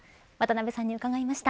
渡辺さんに伺いました。